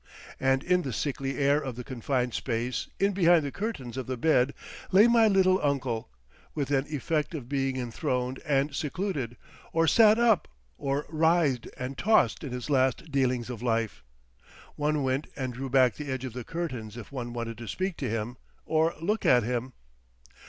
And in the sickly air of the confined space in behind the curtains of the bed lay my little uncle, with an effect of being enthroned and secluded, or sat up, or writhed and tossed in his last dealings of life. One went and drew back the edge of the curtains if one wanted to speak to him or look at him.